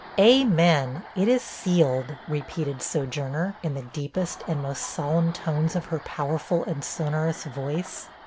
'AMEN! it is SEALED,' repeated Sojourner, in the deepest and most solemn tones of her powerful and sonorous voice.